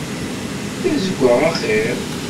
D azeggaɣ axiṛ.